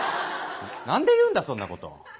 何で言うんだそんなこと。